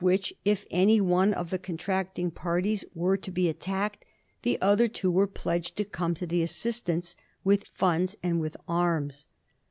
387 which if any one of the contracting parties were to be attacked, the other two were pledged to come to the assistance with funds and with arms.